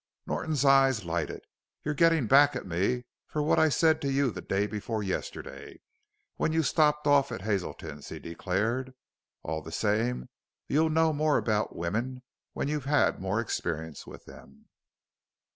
Norton's eyes lighted. "You're gettin' back at me for what I said to you the day before yesterday when you stopped off at Hazelton's," he declared. "All the same you'll know more about women when you've had more experience with them.